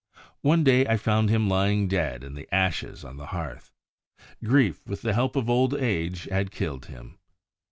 One day I found him lying dead in the ashes on the hearth. Grief, with the help of old age, had killed him.